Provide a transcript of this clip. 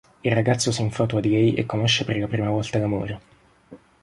Il ragazzo si infatua di lei e conosce per la prima volta l'amore.